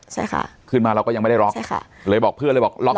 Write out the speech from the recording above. ใช่ค่ะขึ้นมาเราก็ยังไม่ได้ล็อกใช่ค่ะเลยบอกเพื่อนเลยบอกล็อก